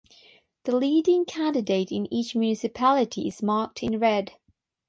The leading candidate in each municipality is marked in red.